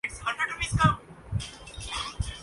سیاست دان بشمول قائد حزب اختلاف اس کے کارندے ہیں۔